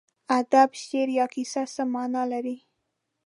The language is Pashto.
ادب، شعر یا کیسه څه مانا لري.